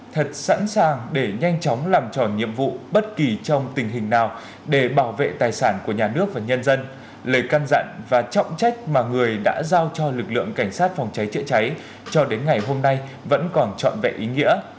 thật sẵn sàng để nhanh chóng làm tròn nhiệm vụ bất kỳ trong tình hình nào để bảo vệ tài sản của nhà nước và nhân dân lời căn dặn và trọng trách mà người đã giao cho lực lượng cảnh sát phòng cháy chữa cháy cho đến ngày hôm nay vẫn còn trọn vẹn ý nghĩa